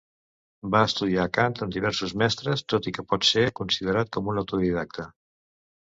Va estudiar cant amb diversos mestres, tot i que pot ser considerat com un autodidacte.